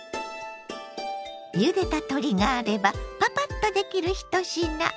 ゆでた鶏があればパパッとできる一品。